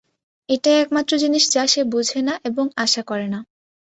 এটাই একমাত্র জিনিস যা সে বুঝেনা এবং আশা করেনা।